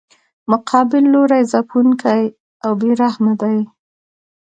مقابل لوری ځپونکی او بې رحمه دی.